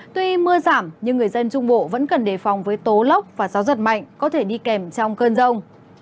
tuy mưa giảm nhưng người dân trung bộ vẫn cần đề phòng với tố lốc và gió giật mạnh có thể đi kèm trong cơn rông